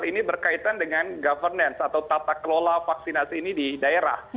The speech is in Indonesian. ini berkaitan dengan governance atau tata kelola vaksinasi ini di daerah